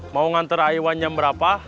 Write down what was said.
mau ngantar aiwan nyamberapa